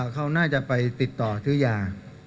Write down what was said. เขาน่าจะไปติดต่อซื้อยา